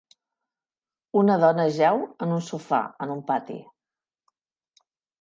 Una dona jeu en un sofà en un pati.